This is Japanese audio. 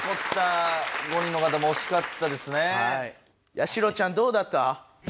やしろちゃんどうだった？